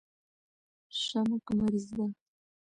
شمک مریض ده